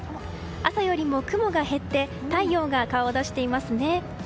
朝よりも雲が減って太陽が顔を出していますね。